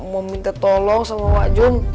mau minta tolong sama pak jum